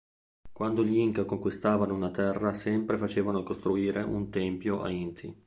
Quando gli inca conquistavano una terra sempre facevano costruire un tempio a Inti.